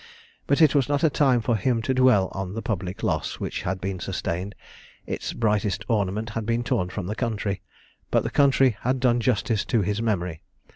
But it was not a time for him to dwell on the public loss, which had been sustained, its brightest ornament had been torn from the country but the country had done justice to his memory.